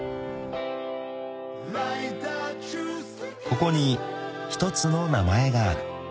［ここに一つの名前がある］